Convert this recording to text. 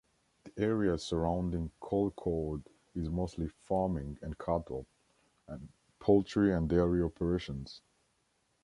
The area surrounding Colcord is mostly farming and cattle, poultry and dairy operations.